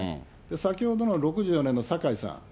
先ほどの６４年の坂井さん。